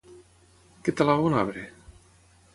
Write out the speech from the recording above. Què talava un arbre?